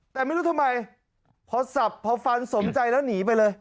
แต่ไม่รู้ทำไมพอสับพอฟันสมใจแล้วหนีไปเลย